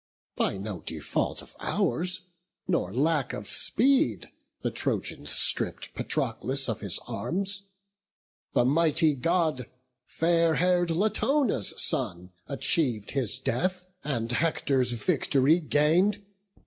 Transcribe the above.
By no default of ours, nor lack of speed, The Trojans stripp'd Patroclus of his arms: The mighty God, fair hair'd Latona's son, Achiev'd his death, and Hector's vict'ry gain'd.